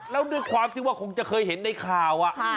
แล้วด้วยความที่คงจะเห็นในข่าว